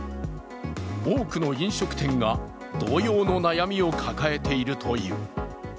多くの飲食店が同様の悩みを抱えているという。